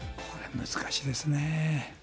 難しいですね。